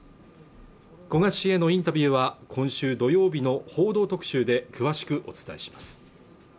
古賀氏へのインタビューは今週土曜日の「報道特集」で詳しくお伝えします